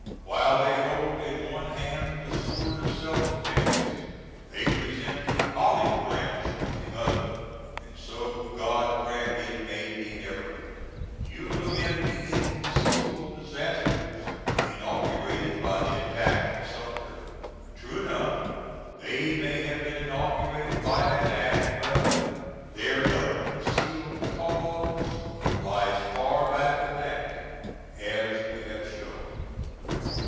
While they hold in one hand the sword of self defence, they present the "Olive Branch" with the other; and so God grant it may be ever. You lament the inconceivable disasters "inaugurated by the attack on Sumter." True enough they may have been inaugurated by that act, but their unconcealed cause lies far back of that, as we have shown.